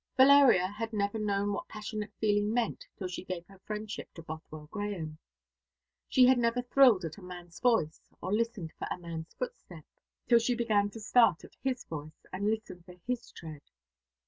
Valeria had never known what passionate feeling meant till she gave her friendship to Bothwell Grahame. She had never thrilled at a man's voice, or listened for a man's footstep, till she began to start at his voice and listen for his tread.